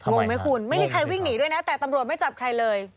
งงไหมคุณไม่มีใครวิ่งหนีด้วยนะแต่ตำรวจไม่จับใครเลย